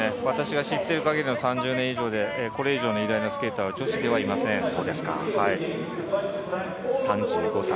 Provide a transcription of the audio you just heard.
私が知っている限りの３０年以上でこれ以上に偉大なスケーターは女子ではいません。